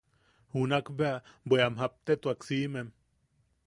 Junak bea... bwe am japtetuak siimem.